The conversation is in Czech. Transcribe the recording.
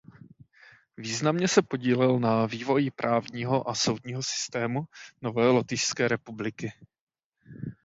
Významně se podílel na vývoji právního a soudního systému nové lotyšské republiky.